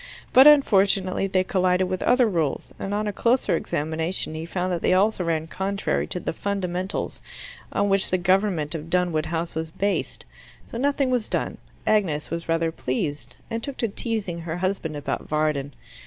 But unfortunately they collided with other rules, and on a closer examination he found that they also ran contrary to the fundamentals on which the government of Dunwood House was based. So nothing was done. Agnes was rather pleased, and took to teasing her husband about Varden.